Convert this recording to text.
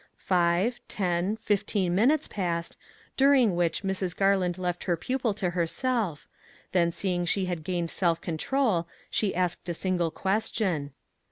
Five, ten, fifteen minutes passed, during which Mrs. Garland left her pupil to herself, then seeing she had gained self control, she asked a single question.